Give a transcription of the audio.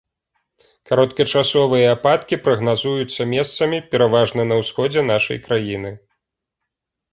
Кароткачасовыя ападкі прагназуюцца месцамі пераважна на ўсходзе нашай краіны.